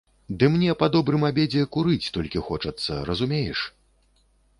Ды мне па добрым абедзе курыць толькі хочацца, разумееш?